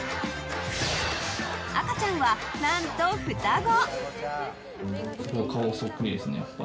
赤ちゃんは、何と双子！